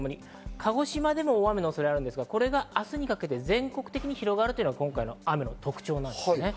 鹿児島でも大雨の予報があるんですが、これが全国的に広がるというのが今回の雨の特徴です。